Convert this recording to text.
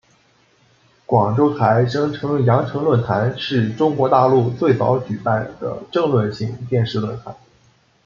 广州台声称羊城论坛是中国大陆最早举办的政论性电视论坛。